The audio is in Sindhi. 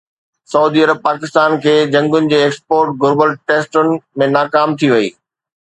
سعودي عرب پاڪستان کي جهنگن جي ايڪسپورٽ گهربل ٽيسٽن ۾ ناڪام ٿي وئي